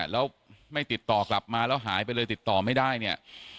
แล้วไม่ติดต่อกลับมาแล้วหายไปเลยติดต่อไม่ได้เนี่ย